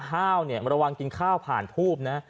ข้าวเนี่ยระวังกินข้าวผ่านทูบนะ